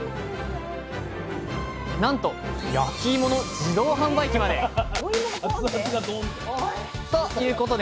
なんと焼き芋の自動販売機まで！ということで！